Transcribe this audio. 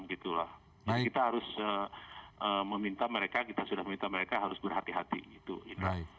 kita harus meminta mereka kita sudah meminta mereka harus berhati hati